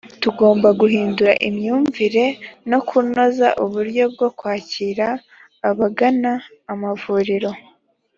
tgomba guhindura imyumvire no kunoza uburyo bwo kwakira abagana amavuriro.